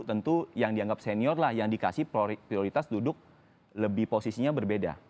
tentu yang dianggap senior lah yang dikasih prioritas duduk lebih posisinya berbeda